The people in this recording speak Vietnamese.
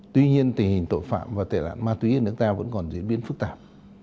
tuy nhiên tình hình tội phạm và tệ nạn ma túy ở nước ta vẫn còn diễn biến phức tạp